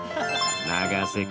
永瀬君